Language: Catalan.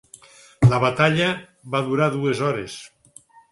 La batalla va durar dues hores.